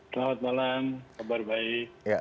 selamat malam kabar baik